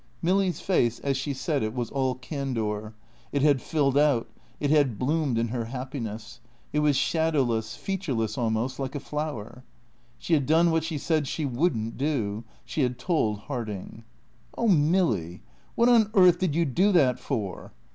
Milly's face, as she said it, was all candour. It had filled out; it had bloomed in her happiness; it was shadowless, featureless almost, like a flower. She had done what she said she wouldn't do; she had told Harding. "Oh Milly, what on earth did you do that for?"